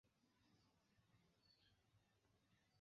La konstruaĵo estas malsimetria.